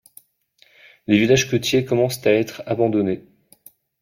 Les villages côtiers commencent à être abandonnés.